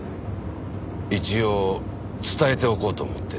一応伝えておこうと思ってね。